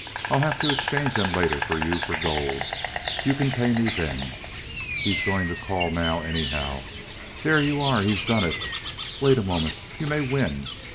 "I'll have to exchange them later for you for gold. You can pay me then. He's going to call now, anyhow. There you are. He's done it. Wait a moment. You may win."